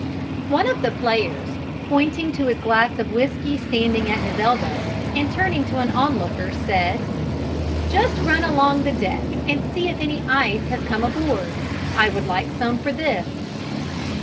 One of the players, pointing to his glass of whiskey standing at his elbow, and turning to an onlooker, said, "Just run along the deck and see if any ice has come aboard: I would like some for this."